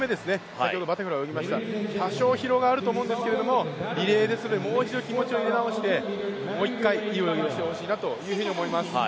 先ほどバタフライを泳ぎましたので、多少疲労があると思うんですけどリレーで、それをもう一度気持ちを入れ直してもう一回、いい泳ぎをしてほしいなと思います。